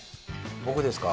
僕ですか？